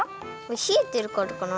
ひえてるからかな？